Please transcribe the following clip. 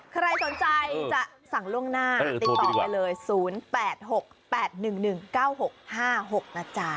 ใครสนใจจะสั่งล่วงหน้าติดต่อไปเลย๐๘๖๘๑๑๙๖๕๖นะจ๊ะ